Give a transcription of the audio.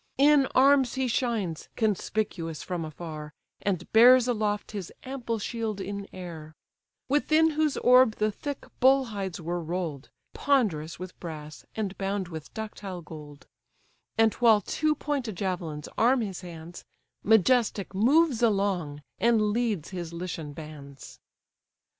In arms he shines, conspicuous from afar, And bears aloft his ample shield in air; Within whose orb the thick bull hides were roll'd, Ponderous with brass, and bound with ductile gold: And while two pointed javelins arm his hands, Majestic moves along, and leads his Lycian bands.